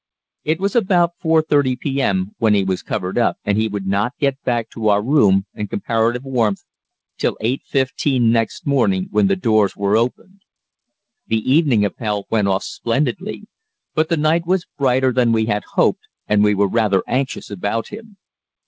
It was about 4.30 p.m. when he was covered up, and he would not get back to our room and comparative warmth till 8.15 next morning, when the doors were opened. The evening Appell went off splendidly, but the night was brighter than we had hoped, and we were rather anxious about him.